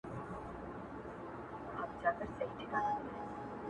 د انسان وجدان د هر څه شاهد پاتې کيږي تل,